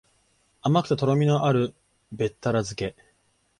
甘くてとろみのあるべったら漬け